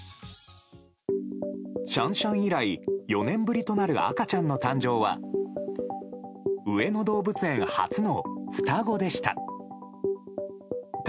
シャンシャン以来４年ぶりとなる赤ちゃんの誕生は上野動物園初の双子でした。